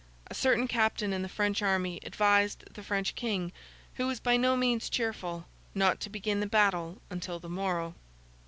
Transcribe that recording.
A certain captain in the French army advised the French King, who was by no means cheerful, not to begin the battle until the morrow.